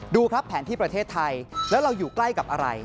ดูครับแผนที่ประเทศไทยแล้วเราอยู่ใกล้กับอะไร